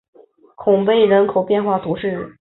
孔贝人口变化图示